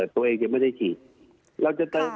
ตัวเองยังไม่ได้ฉีด